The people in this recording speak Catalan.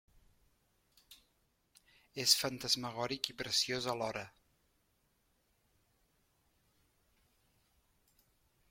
És fantasmagòric i preciós alhora.